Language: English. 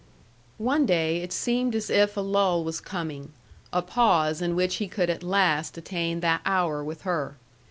One day it seemed as if a lull was coming, a pause in which he could at last attain that hour with her.